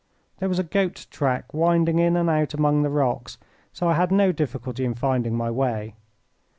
There was a goat track winding in and out among the rocks, so I had no difficulty in finding my way.